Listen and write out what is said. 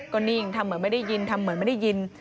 ก็นิ่งทำเหมือนไม่ได้ยินทำเหมือนไม่ได้ยิน